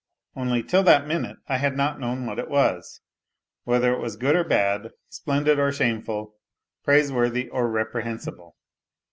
Only till that mimi had not known what it was : whether it was good or bad, splendid or shameful, praiseworthy or reprehensible?